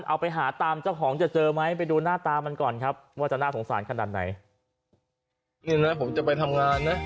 เอาไปหาตามเจ้าของจะเจอไหมไปดูหน้าตามันก่อนครับว่าจะน่าสงสารขนาดไหน